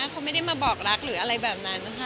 เขาไม่ได้มาบอกรักหรืออะไรแบบนั้นนะคะ